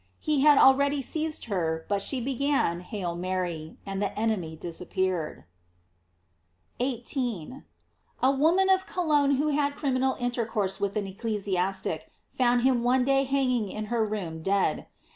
He had already seized her, but she began "Hail Mary," and the enemy disappeared.^ 18. — A woman of Cologne who bad criminal intercourse with an ecclesiastic, found him one day hanging in her room dead.